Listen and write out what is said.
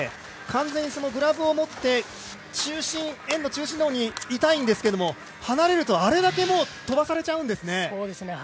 完全にグラブを持って円の中心の方にいたいんですけど離れるとあれだけ飛ばされちゃうんですね。